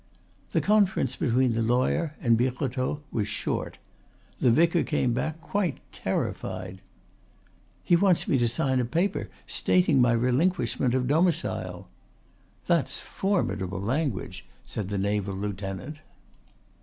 The conference between the lawyer and Birotteau was short. The vicar came back quite terrified. "He wants me to sign a paper stating my relinquishment of domicile." "That's formidable language!" said the naval lieutenant.